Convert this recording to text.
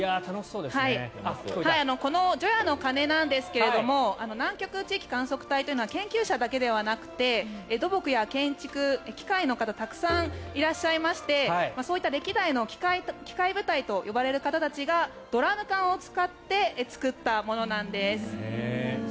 この除夜の鐘なんですが南極地域観測隊というのは研究者だけではなくて土木や建築、機械の方たくさんいらっしゃいましてそういった歴代の機械部隊と呼ばれる方たちがドラム缶を使って作ったものなんです。